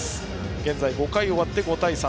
現在、５回終わって５対３。